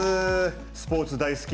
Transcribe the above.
スポーツ大好き